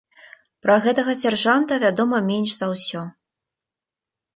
Пра гэтага сяржанта вядома менш за ўсё.